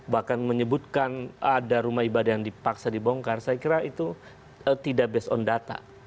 bahkan menyebutkan ada rumah ibadah yang dipaksa dibongkar saya kira itu tidak based on data